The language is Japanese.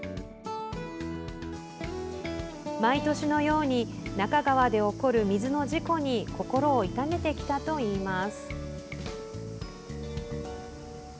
毎年のように那珂川で起こる水の事故に心を痛めてきたといいます。